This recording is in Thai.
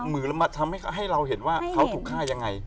หรือมาทำให้เราเห็นว่าเขาถูกฆ่ายังไง